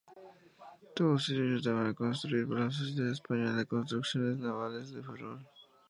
Todos ellos a construir por la Sociedad Española de Construcciones Navales en Ferrol.